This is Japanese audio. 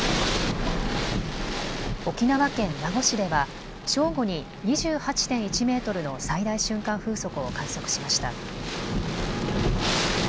沖縄県名護市では正午に２８．１メートルの最大瞬間風速を観測しました。